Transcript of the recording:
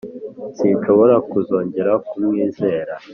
Sinshobora kuzongera kumwizera